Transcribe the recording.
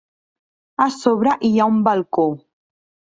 A sobre hi ha un balcó.